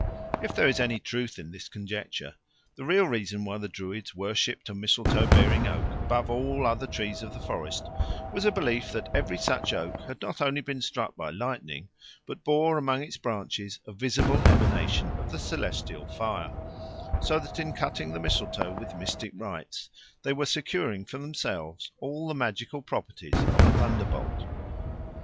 If there is any truth in this conjecture, the real reason why the Druids worshipped a mistletoe bearing oak above all other trees of the forest was a belief that every such oak had not only been struck by lightning but bore among its branches a visible emanation of the celestial fire; so that in cutting the mistletoe with mystic rites they were securing for themselves all the magical properties of a thunder bolt.